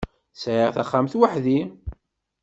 Sɛiɣ taxxamt weḥd-i.